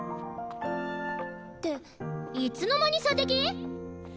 っていつの間に射的！？